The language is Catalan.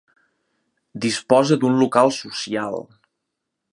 Disposa d'un local social.